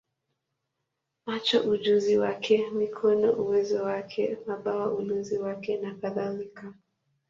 macho ujuzi wake, mikono uwezo wake, mabawa ulinzi wake, nakadhalika.